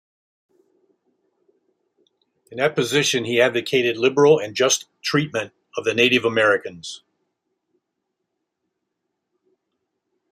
In that position he advocated liberal and just treatment of the Native Americans.